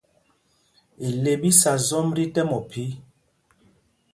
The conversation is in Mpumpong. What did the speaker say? Ile ɓi sá zɔm tí tɛm ophī.